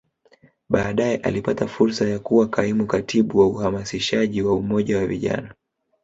Baadae alipata fursa ya kuwa Kaimu Katibu wa Uhamasishaji wa Umoja wa Vijana